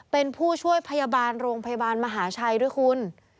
เป็นผู้ช่วยพยาบาลโรงพยาบาลมหาชัยด้วยคุณ